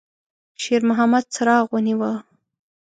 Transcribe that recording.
شېرمحمد څراغ ونیوه.